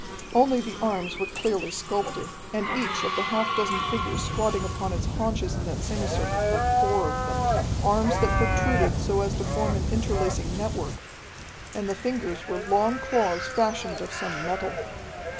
Only the arms were clearly sculptured, and each of the half dozen figures squatting upon its haunches in that semi circle had four of them. Arms that protruded so as to form an interlacing network, and the fingers were long claws fashioned of some metal.